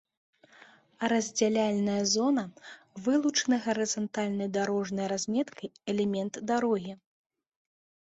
Раздзяляльная зона — вылучаны гарызантальнай дарожнай разметкай элемент дарогі